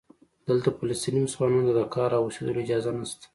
دلته فلسطینی مسلمانانو ته د کار او اوسېدلو اجازه نشته.